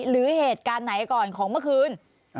หรือเหตุการณ์ไหนก่อนของเมื่อคืน